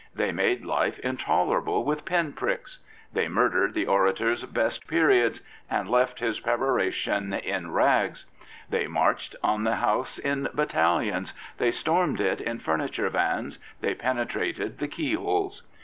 They made life intoler able with pin pricks. They murdered the orator's best periods, and left his peroration in rags. They 139 Prophets, Priests, and Kings marched bn the House in battalions; they stormed it in furniture vans; they penetrated the keyholes.